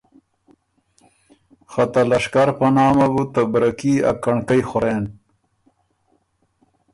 خه ته لشکر په نامه بُو ته برکي ا کنړکئ خورېن۔